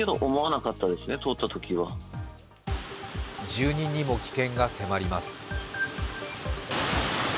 住人にも危険が迫ります。